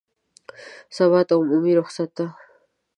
سبا ته عمومي رخصتي ده